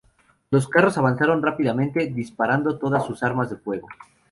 Los carros avanzaron rápidamente, disparando todas sus armas de fuego.